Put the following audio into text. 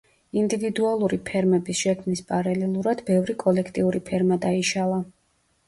ინდივიდუალური ფერმების შექმნის პარალელურად ბევრი კოლექტიური ფერმა დაიშალა.